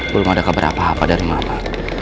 belum ada kabar apa apa dari mana